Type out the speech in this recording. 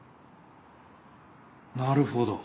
なるほど。